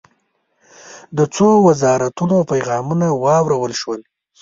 د څو وزارتونو پیغامونه واورل شول.